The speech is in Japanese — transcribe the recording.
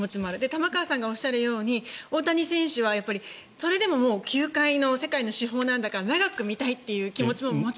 玉川さんがおっしゃるように大谷選手は、それでも球界の世界の至宝なんだから長く見たいというのはある。